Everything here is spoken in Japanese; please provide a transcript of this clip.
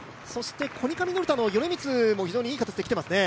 コニカミノルタの米満もいい形できていますね。